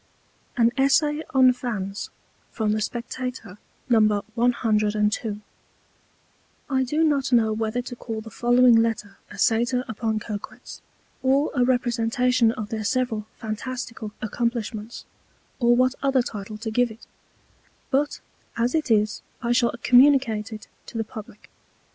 AN ESSAY ON FANS From the Spectator, No. 102 I do not know whether to call the following Letter a Satyr upon Coquets, or a Representation of their several fantastical Accomplishments, or what other Title to give it; but as it is I shall communicate it to the Publick.